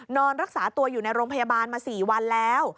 นอนรักษาตัวอยู่ในโรงพยาบาลมา๔วันแล้ว